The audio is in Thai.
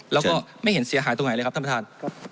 แล้วก็ไม่เห็นเสียหายตรงไหนเลยครับท่านประธาน